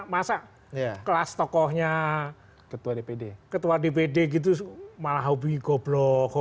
masa kelas tokohnya ketua dpd gitu malah hobi goblok